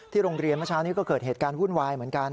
โรงเรียนเมื่อเช้านี้ก็เกิดเหตุการณ์วุ่นวายเหมือนกัน